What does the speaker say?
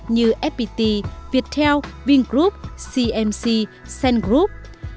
như fpt viettel vingroup cmc cnbc